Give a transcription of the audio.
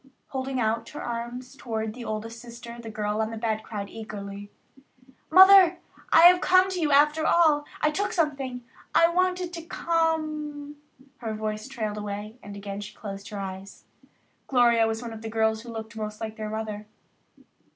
Holding out her arms toward the oldest sister, the girl on the bed cried eagerly: "Mother, I have come to you after all. I took something. I wanted to come " Her voice trailed away and again she closed her eyes. Gloria was the one of the girls who looked most like their mother.